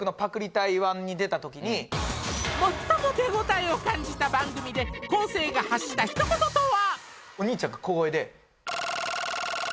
最も手応えを感じた番組で昴生が発したひと言とは？